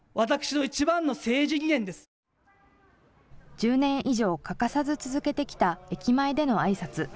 １０年以上欠かさず続けてきた、駅前でのあいさつ。